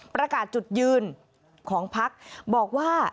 ประกาศจุดยืนของพักบอกว่า